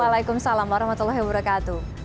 waalaikumsalam warahmatullahi wabarakatuh